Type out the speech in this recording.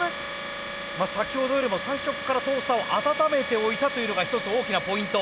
先ほどよりも最初からトースターを温めておいたというのが一つ大きなポイント。